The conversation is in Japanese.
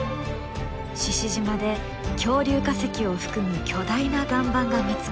獅子島で恐竜化石を含む巨大な岩盤が見つかったこと。